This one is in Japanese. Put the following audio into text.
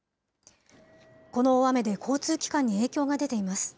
この大雨で交通機関に影響が出ています。